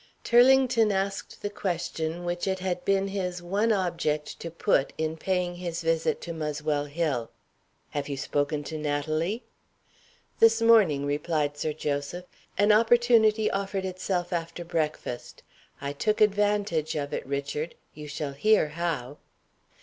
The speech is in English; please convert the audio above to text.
Turlington asked the question which it had been his one object to put in paying his visit to Muswell Hill. "Have you spoken to Natalie?" "This morning," replied Sir Joseph. "An opportunity offered itself after breakfast. I took advantage of it, Richard you shall hear how."